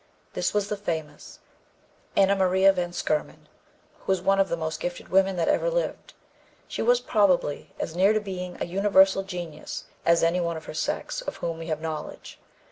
This was the famous Anna Maria van Schurman, who was one of the most gifted women that ever lived. She was, probably, as near to being a universal genius as any one of her sex of whom we have knowledge.